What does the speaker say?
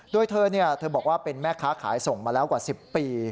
โดยเธอเธอบอกว่าเป็นแม่ค้าขายส่งมาแล้วกว่า๑๐ปี